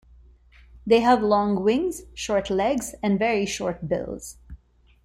They have long wings, short legs, and very short bills.